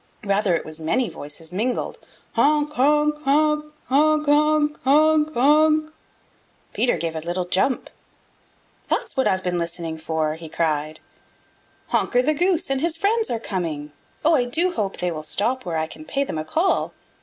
Rather it was many voices mingled "Honk, honk, honk, honk, honk, honk, honk!" Peter gave a little jump. "That's what I've been listening for!" he cried. "Honker the Goose and his friends are coming. Oh, I do hope they will stop where I can pay them a call."